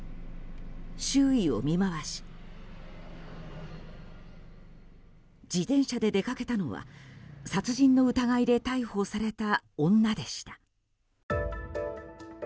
周囲を見回し自転車で出かけたのは殺人の疑いで逮捕された女でした。